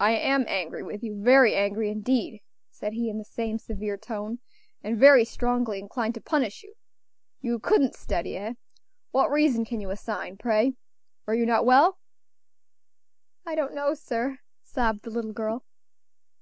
"I am angry with you; very angry, indeed," said he in the same severe tone, "and very strongly inclined to punish you. You couldn't study, eh? What reason can you assign, pray? Were you not well?" "I don't know, sir," sobbed the little girl.